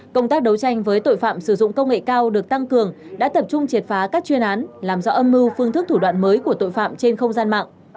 công tác đấu tranh với tội phạm sử dụng công nghệ cao được tăng cường đã tập trung triệt phá các chuyên án làm rõ âm mưu phương thức thủ đoạn mới của tội phạm trên không gian mạng